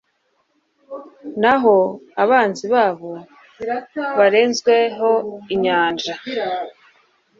naho abanzi babo barenzweho n’inyanja